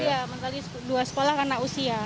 iya mental di dua sekolah karena usia